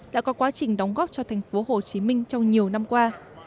đã có quá trình đóng góp cho tp hcm trong nhiều năm qua